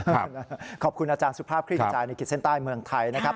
ขอบคุณนะขอบคุณอาจารย์สุภาพคลิกกระจายในขีดเส้นใต้เมืองไทยนะครับ